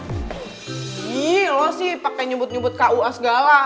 ini lo sih pakai nyebut nyebut kua segala